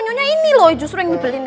nyonya ini loh justru yang dibeli